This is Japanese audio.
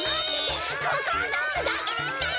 ここをとおるだけですから！